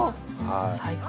最高。